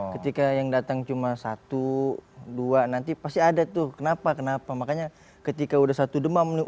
ketika yang datang cuma satu dua nanti pasti ada tuh kenapa kenapa makanya ketika udah satu demam